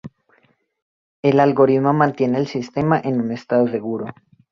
El algoritmo mantiene al sistema en un estado seguro.